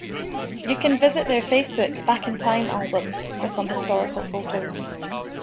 You can visit their Facebook Back In Time Album for some historical photos.